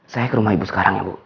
saya ke rumah ibu sekarang ya bu